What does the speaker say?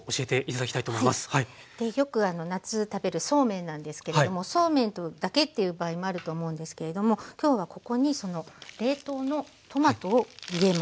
よく夏食べるそうめんなんですけれどもそうめんだけっていう場合もあると思うんですけれども今日はここに冷凍のトマトを入れます。